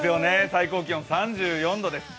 最高気温３４度です。